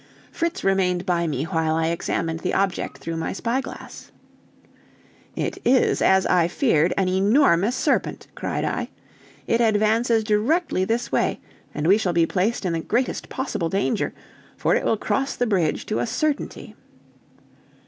Fritz remained by me while I examined the object through my spyglass. "It is, as I feared, an enormous serpent!" cried I; "it advances directly this way, and we shall be placed in the greatest possible danger, for it will cross the bridge to a certainty."